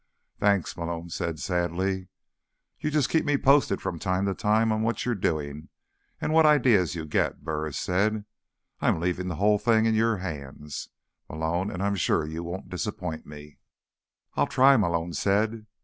"Thanks," Malone said sadly. "You just keep me posted from time to time on what you're doing, and what ideas you get," Burris said. "I'm leaving the whole thing in your hands, Malone, and I'm sure you won't disappoint me." "I'll try," Malone said.